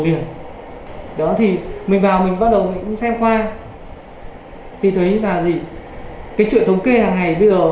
liền đó thì mình vào mình bắt đầu xem khoa thì thấy là gì cái chuyện thống kê hàng ngày bây giờ